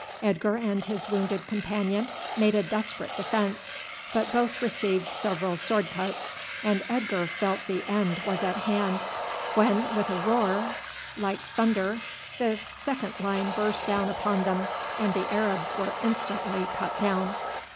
Edgar and his wounded companion made a desperate defence; but both received several sword cuts, and Edgar felt the end was at hand, when with a roar like thunder the second line burst down upon them, and the Arabs were instantly cut down.